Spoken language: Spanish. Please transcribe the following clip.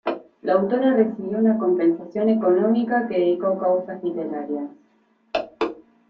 La autora recibió una compensación económica que dedicó a causas literarias.